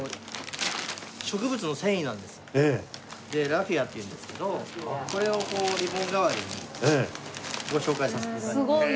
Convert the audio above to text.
ラフィアっていうんですけどこれをこうリボン代わりにご紹介させて頂いて。